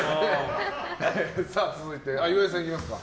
続いて、岩井さんいきますか。